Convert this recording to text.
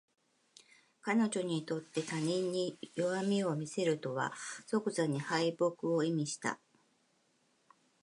彼女にとって他人に弱みを見せるとは即座に敗北を意味した